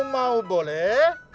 kau mau boleh